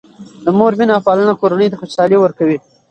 د مور مینه او پالنه کورنۍ ته خوشحالي ورکوي.